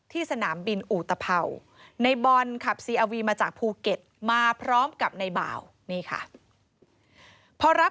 ที่สนามบินอูตเผ่า